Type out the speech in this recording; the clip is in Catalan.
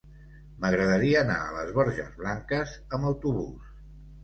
M'agradaria anar a les Borges Blanques amb autobús.